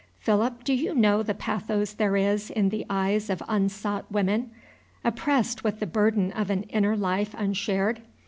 Philip, do you know the pathos there is in the eyes of unsought women, oppressed with the burden of an inner life unshared?